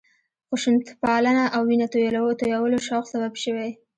خشونتپالنه او وینه تویولو شوق سبب شوی.